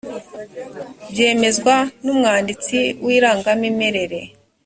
byemezwa n’ umwanditsi w’ irangamimerere .